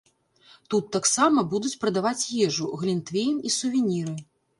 Тут таксама будуць прадаваць ежу, глінтвейн і сувеніры.